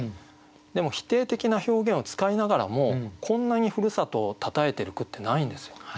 でも否定的な表現を使いながらもこんなにふるさとをたたえてる句ってないんですよ。